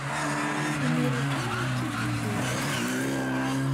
Imir-a kan ay tt-id-ufiɣ.